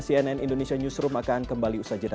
cnn indonesia newsroom akan kembali usai jeda